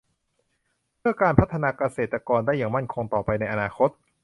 เพื่อการพัฒนาภาคเกษตรได้อย่างมั่นคงต่อไปในอนาคต